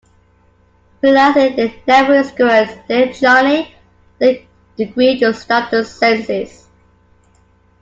Realizing they never resurrected Dear Johnny, they agree to stop the seances.